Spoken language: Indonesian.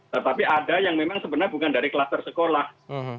tetapi ada yang memang sebenarnya bukan dari kluster sekolah